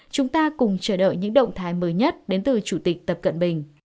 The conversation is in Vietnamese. chúng ta cùng chờ đợi những động thái mới nhất đến từ chủ tịch tập cận bình